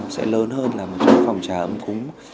sẽ lớn hơn là một cái phòng trà âm cúng